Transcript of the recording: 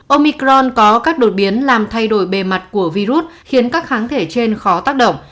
omicron có các đột biến làm thay đổi bề mặt của virus khiến các kháng thể trên khó tác động